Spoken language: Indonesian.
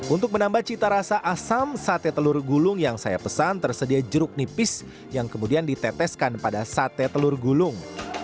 untuk menambah cita rasa asam sate telur gulung yang saya pesan tersedia jeruk nipis yang kemudian diteteskan pada sate telur gulung